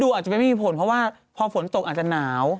อาจจะไม่มีผลเพราะว่าพอฝนตกอาจจะหนาว